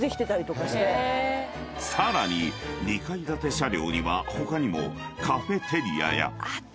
［さらに２階建て車両には他にもカフェテリアや］あった。